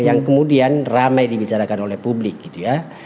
yang kemudian ramai dibicarakan oleh publik gitu ya